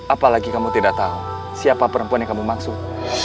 apalagi kamu tidak tahu siapa perempuan yang kamu maksud